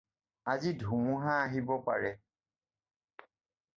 আজি ধুমুহা আহিব পাৰে।